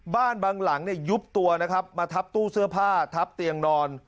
บางหลังเนี่ยยุบตัวนะครับมาทับตู้เสื้อผ้าทับเตียงนอน